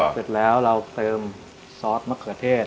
เสร็จแล้วเราเติมซอสมะเขือเทศ